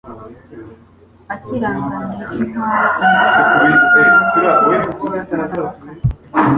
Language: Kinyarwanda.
akirangamiye inkwaya inkuba yo mu ruge irakararuka,